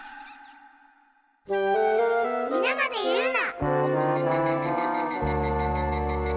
「みなまで言うな」。